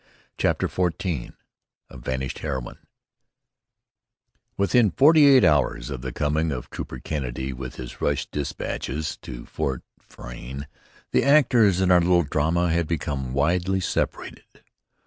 CHAPTER XIV A VANISHED HEROINE Within forty eight hours of the coming of Trooper Kennedy with his "rush" despatches to Fort Frayne, the actors in our little drama had become widely separated.